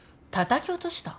たたき落とした？